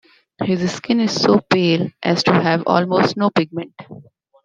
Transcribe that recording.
His skin is so pale as to have almost no pigment.